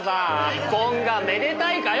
離婚がめでたいかよ！